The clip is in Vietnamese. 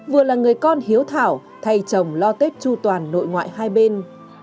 vừa là người con hiếu thảo thay chồng lo tết chu toàn nội ngoại hai bên